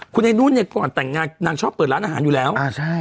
คุณไอ้นุ่นเนี่ยก่อนแต่งงานนางชอบเปิดร้านอาหารอยู่แล้วอ่าใช่